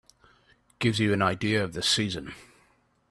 Gives you an idea of the season.